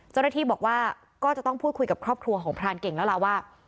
เจ้าหน้าที่บอกว่าก็จะต้องพูดคุยกับครอบครัวของพรานเก่งแล้วล่ะว่า